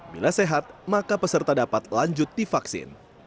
bila sehat maka peserta dapat lanjut divaksin